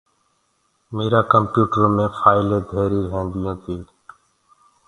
ميرآ ڪمپيوٽرو مي ڦآئلين ڌيري ريهنديو تي۔